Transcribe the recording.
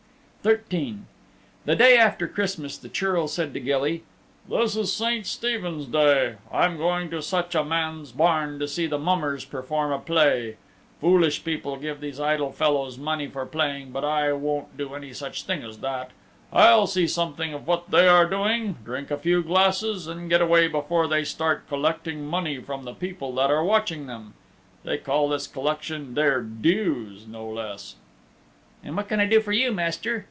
XIII The day after Christmas the Churl said to Gilly, "This is Saint Stephen's Day. I'm going to such a man's barn to see the mummers perform a play. Foolish people give these idle fellows money for playing, but I won't do any such thing as that. I'll see something of what they are doing, drink a few glasses and get away before they start collecting money from the people that are watching them. They call this collection their dues, no less." "And what can I do for you, Master?"